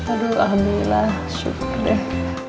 aduh alhamdulillah syukur deh